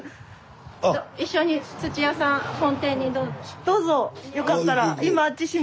一緒に土屋さん本店にどうぞ。